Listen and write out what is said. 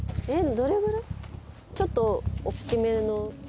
ちょっと大きめの犬」